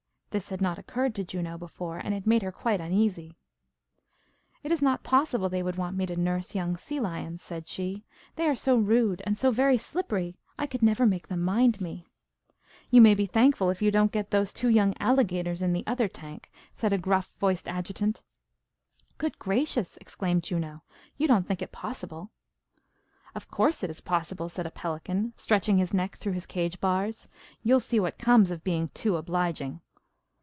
This had not occurred to Juno before, and it made her quite uneasy. "It is not possible they would want me to nurse young sea lions," said she. "They are so very rude, and so very slippery, I never could make them mind me." [Illustration: JUNO IS WARNED BY THE PELICAN.] "You may be thankful if you don't get those two young alligators in the other tank," said a gruff voiced adjutant. "Good gracious!" exclaimed Juno. "You don't think it possible?" "Of course it is possible," said a pelican, stretching his neck through his cage bars. "You'll see what comes of being too obliging."